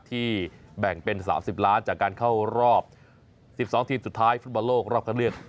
แบ่งเป็น๓๐ล้านจากการเข้ารอบ๑๒ทีมสุดท้ายฟุตบอลโลกรอบคันเลือก